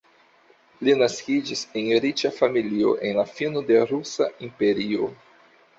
Li naskiĝis en riĉa familio en la fino de Rusa Imperio.